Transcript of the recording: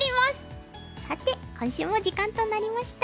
さて今週も時間となりました。